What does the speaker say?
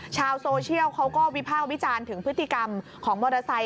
ชาวโซเชียลเขาก็วิภาควิจารณ์ถึงพฤติกรรมของมอเตอร์ไซค